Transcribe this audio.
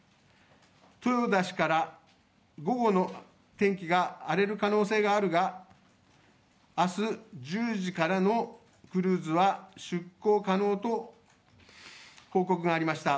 豊田氏から、午後の天気が荒れる可能性があるが明日１０時からのクルーズは出港可能と報告がありました。